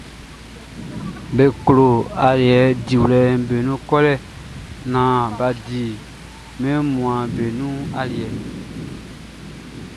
Be klo aliɛ diwlɛʼm be nun kɔlɛ naan bʼa di mɛn wunmuanʼn nun aliɛʼm be nun.